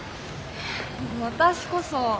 私こそ。